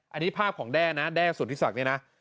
อันนี้ภาพของแด้นะแด้สุธิศักดิ์เนี่ยนะ